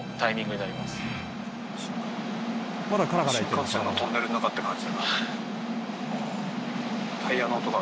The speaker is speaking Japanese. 新幹線のトンネルの中って感じだな。